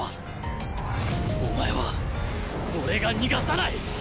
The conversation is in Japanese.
お前は俺が逃がさない！